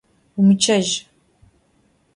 Vumıççej!